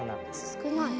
少ない。